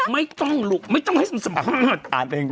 ไม่ต้องลุกไม่ต้องให้สัมภาษณ์